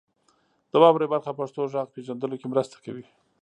د واورئ برخه پښتو غږ پیژندلو کې مرسته کوي.